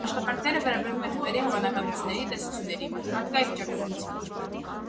Աշխատանքները վերաբերում են թվերի, հավանականությունների տեսություններին, մաթեմատիկայի վիճակագրությանը։